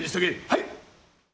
はい！